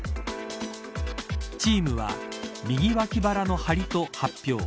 チームは右脇腹の張りと発表。